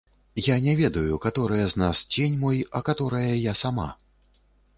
Я не ведаю, каторае з нас цень мой, а каторае я сама?